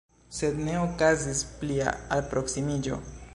Sed ne okazis plia alproksimiĝo.